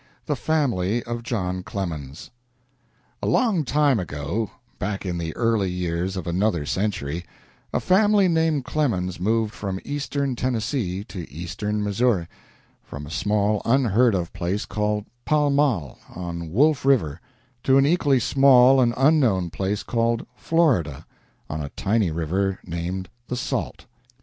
I. THE FAMILY OF JOHN CLEMENS A long time ago, back in the early years of another century, a family named Clemens moved from eastern Tennessee to eastern Missouri from a small, unheard of place called Pall Mall, on Wolf River, to an equally small and unknown place called Florida, on a tiny river named the Salt.